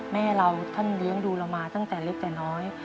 แม่เราท่านเลี้ยงดูเรามาตั้งแต่เล็กแต่น้อย